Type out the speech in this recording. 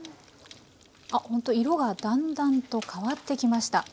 あほんと色がだんだんと変わってきました。